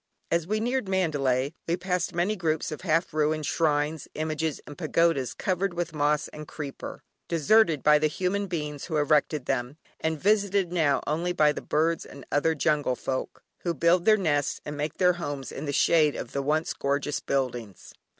As we neared Mandalay we passed many groups of half ruined shrines, images and pagodas, covered with moss and creeper, deserted by the human beings who erected them, and visited now only by the birds and other jungle folk, who build their nests and make their homes in the shade of the once gorgeous buildings.